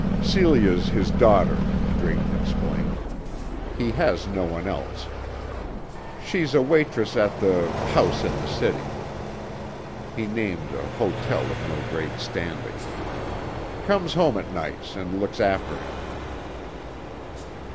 "Celia's his daughter," Drayton explained. "He has no one else. She's a waitress at the House in the city." He named an hotel of no great standing. "Comes home at nights and looks after him."